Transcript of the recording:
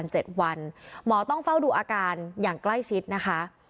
หมอต้องเฝ้าดูอาการอย่างใกล้ชิดนะคะ